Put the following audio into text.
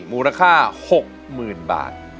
มูลค่าหกหมื่นบาท